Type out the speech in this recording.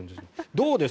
どうです？